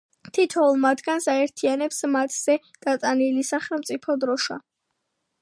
თითოეულ მათგანს აერთიანებს მათზე დატანილი სახელმწიფო დროშა.